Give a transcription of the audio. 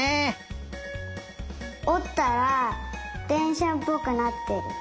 おったらでんしゃっぽくなってる。